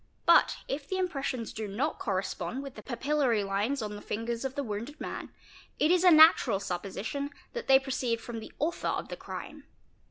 But if the impressions do not correspond with the papillary lines on the fingers of the wounded man, it is a natural supposition that they proceed from the author of the crime.